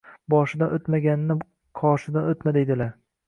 — Boshidan o‘tmaganni qoshidan o‘tma, deydilar.